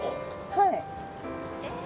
はい。